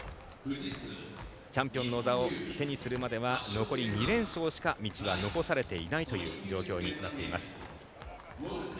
チャンピオンの座を手にするまでは残り２連勝しか道は残されていないという状況になっています。